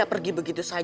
mereka bisa c acara